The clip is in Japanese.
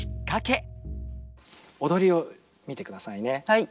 はい。